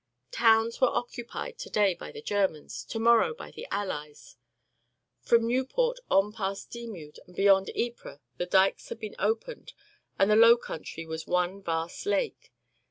Towns were occupied to day by the Germans, to morrow by the Allies; from Nieuport on past Dixmude and beyond Ypres the dykes had been opened and the low country was one vast lake.